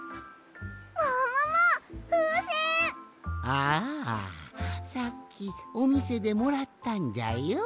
ああさっきおみせでもらったんじゃよ。